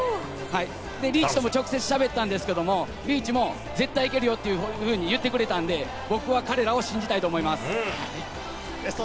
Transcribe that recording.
リーチとも直接喋ったんですけれども、リーチも絶対いけるよというふうに言ってくれたので、僕は彼らを信じたいと思います。